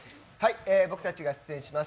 僕たちが出演します